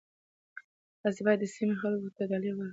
تاسي باید د سیمې خلکو ته ډالۍ ورکړئ.